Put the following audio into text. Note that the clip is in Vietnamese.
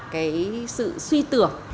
cái sự suy tưởng